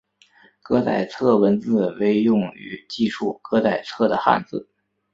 歌仔册文字为用于记述歌仔册的汉字。